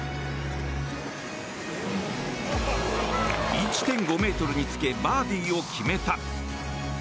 １．５ｍにつけバーディーを決めた。